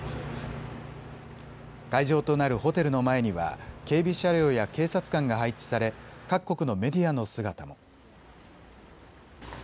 会場となるホテルの前には警備車両や警察官が配置され、各国のメディアの姿も。